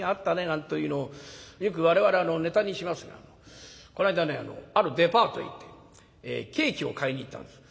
なんというのをよく我々ネタにしますがこの間ねあるデパートへ行ってケーキを買いに行ったんです。